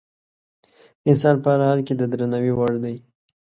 انسان په هر حال کې د درناوي وړ دی.